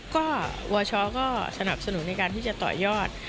ก็โวชุกเขาสนับสนุนการที่จะต่อยอด